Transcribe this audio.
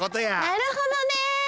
なるほどね！